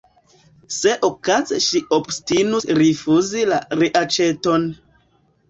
Se okaze ŝi obstinus rifuzi la reaĉeton!